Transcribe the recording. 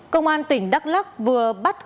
công an tỉnh đắk lắc vừa bắt cường